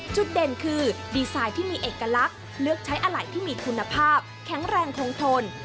จุดเด่นคือดีไซน์ที่มีเอกลักษณ์เลือกใช้อะไหล่ที่มีคุณภาพแข็งแรงคงทน